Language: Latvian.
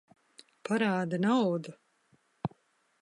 Parādi naudu!